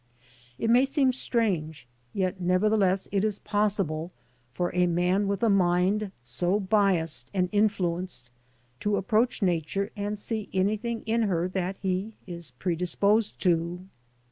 It may seem strange, yet nevertheless it is possible, for a man with a mind so biassed and influenced to approach Nature and see anything in her that he is predisposed to.